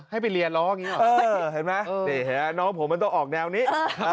ให้ไปเรียนร้องอย่างนี้หรอเห็นไหมนี่เห็นไหมน้องผมมันต้องออกแนวนี้